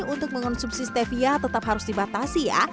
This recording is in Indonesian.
untuk mengonsumsi stevia tetap harus dibatasi ya